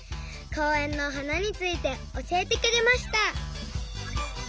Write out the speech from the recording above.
こうえんのはなについておしえてくれました。